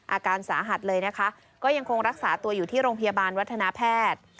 อาการสาหัสเลยนะคะก็ยังคงรักษาตัวอยู่ที่โรงพยาบาลวัฒนาแพทย์